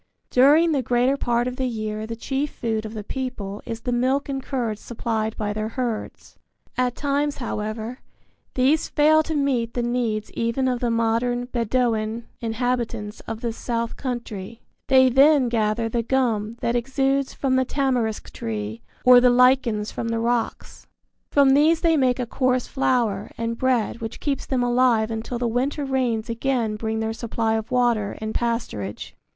During the greater part of the year the chief food of the people is the milk and curds supplied by their herds. At times, however, these fail to meet the needs even of the modern Bedouin inhabitants of this South Country. They then gather the gum that exudes from the tamarisk tree or the lichens from the rocks. From these they make a coarse flour and bread which keeps them alive until the winter rains again bring their supply of water and pasturage.